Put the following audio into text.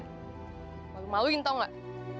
lo malu maluin tau gak